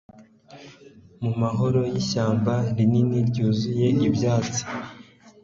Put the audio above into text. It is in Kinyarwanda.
Mu mahoro yishyamba rinini ryuzuye ibyatsi